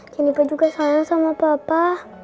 jeniper juga sayang sama papa